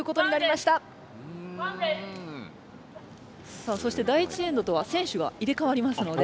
さあそして第１エンドとは選手が入れかわりますので。